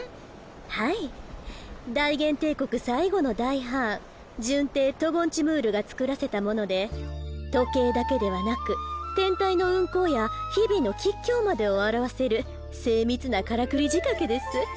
はい大元帝国最後の大ハーン順帝トゴンチムールが造らせたもので時計だけではなく天体の運行や日々の吉凶までを表せる精密なからくり仕掛けです。